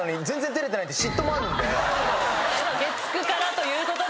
月９からということで。